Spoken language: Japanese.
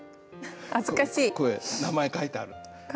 これ名前書いてある。